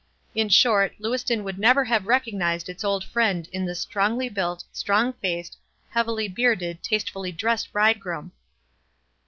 In short, Lewiston would never have recognized its old friend in this strongly built, strong faced, heavily beard ed, tastefully dressed bridegroom.